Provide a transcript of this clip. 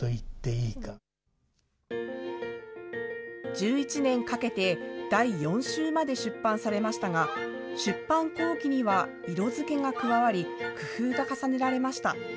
１１年かけて、第４集まで出版されましたが、出版後期には色づけが加わり、工夫が重ねられました。